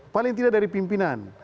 paling tidak dari pimpinan